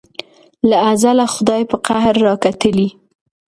له ازله خدای په قهر را کتلي